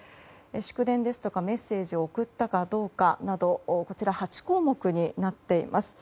祝電やメッセージを送ったかどうかなど８項目になっています。